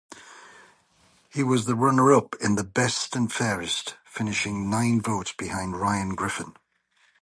He was the runner up in the best-and-fairest, finishing nine votes behind Ryan Griffen.